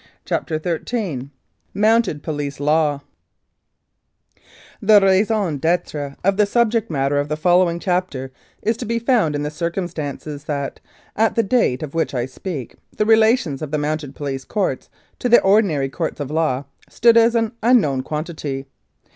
CHAPTER XIII MOUNTED POLICE LAW THE raison d'etre of the subject matter of the following chapter is to be found in the circumstances that, at the date of which I speak, the relations of the Mounted Police Courts to the ordinary Courts of Law stood as an unknown quantity.